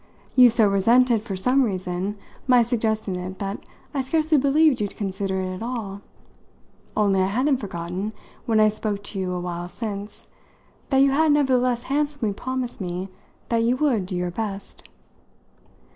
You so resented, for some reason, my suggesting it that I scarcely believed you'd consider it at all; only I hadn't forgotten, when I spoke to you a while since, that you had nevertheless handsomely promised me that you would do your best."